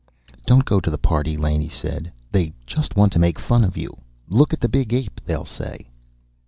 "Don't go to the party," Laney said. "They just want to make fun of you. Look at the big ape, they'll say."